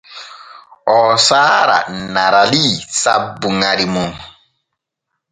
Oo saara Narali sabbu ŋari mum.